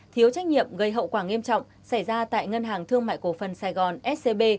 thiếu trách nhiệm gây hậu quả nghiêm trọng xảy ra tại ngân hàng thương mại cổ phần sài gòn scb